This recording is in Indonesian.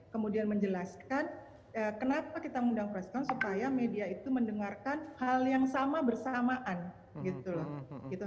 kemudian menjelaskan kenapa kita mengundang preskon supaya media itu mendengarkan hal yang sama bersamaan gitu loh